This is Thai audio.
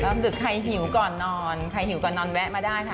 ดึกใครหิวก่อนนอนใครหิวก่อนนอนแวะมาได้ค่ะ